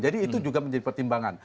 jadi itu juga menjadi pertimbangan